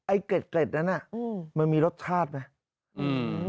ไอ้เกร็ดนั้นน่ะมันมีรสชาติไหม